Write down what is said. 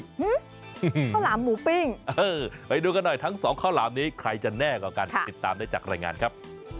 ข้าวหลามหมูปิ้งเออไปดูกันหน่อยทั้งสองข้าวหลามนี้ใครจะแน่กว่ากันติดตามได้จากรายงานครับ